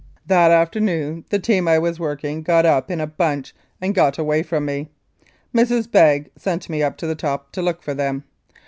That afternoon the team I was working got up in a bunch and got away from me. Mrs. Begg sent me up to the top to look for them.